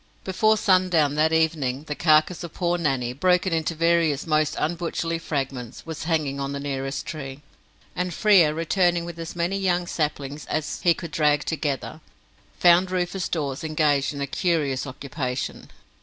Before sundown that evening the carcase of poor Nanny, broken into various most unbutcherly fragments, was hanging on the nearest tree; and Frere, returning with as many young saplings as he could drag together, found Rufus Dawes engaged in a curious occupation.